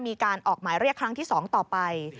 มีการออกหมายเรียกครั้งที่๒ต่อไป